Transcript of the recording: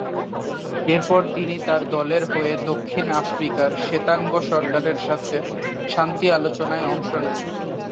এর পর তিনি তার দলের হয়ে দক্ষিণ আফ্রিকার শ্বেতাঙ্গ সরকারের সাথে শান্তি আলোচনায় অংশ নেন।